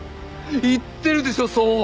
言ってるでしょそう！